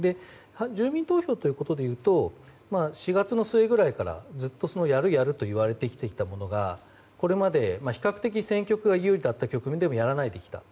住民投票でいうと４月の末ぐらいからずっとやるやると言われてきたものがこれまで、比較的戦局が有利だった局面でもやらないできた。